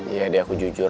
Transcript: ya deh aku jujur deh